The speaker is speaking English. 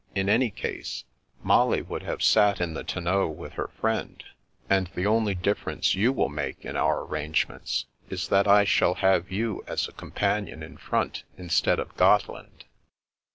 In any case, Molly would have sat in the tonneau with her friend, and the only difference you will make in our arrangements is that I shall have you as a com panion in front instead of Gotteland."